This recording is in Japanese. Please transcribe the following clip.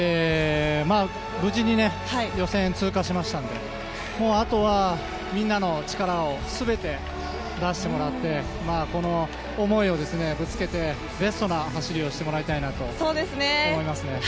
無事に予選通過しましたのであとは、みんなの力を全て出してもらってこの思いをぶつけてベストな走りをしてもらいたいなと思います。